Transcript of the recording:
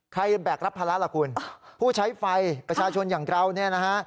แบกรับภาระล่ะคุณผู้ใช้ไฟประชาชนอย่างเราเนี่ยนะฮะ